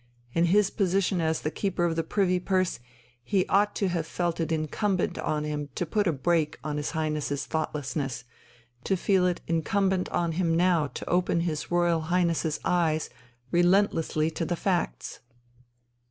In his position as Keeper of the Privy Purse he ought to have felt it incumbent on him to put a brake on his Highness's thoughtlessness, to feel it incumbent on him now to open his Royal Highness's eyes relentlessly to the facts